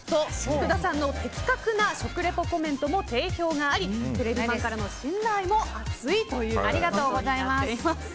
福田さんの的確な食リポコメントも定評がありテレビマンからの信頼も厚いありがとうございます。